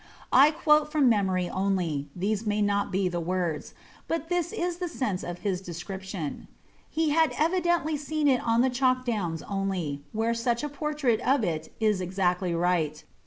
I quote from memory only; these may not be the words, but this is the sense of his description. He had evidently seen it on the chalk downs only, where such a portrait of it is exactly right.